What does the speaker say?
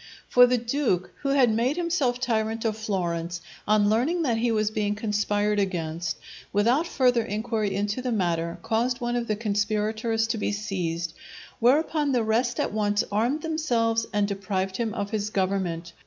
For the Duke, who had made himself tyrant of Florence, on learning that he was being conspired against, without further inquiry into the matter, caused one of the conspirators to be seized; whereupon the rest at once armed themselves and deprived him of his government.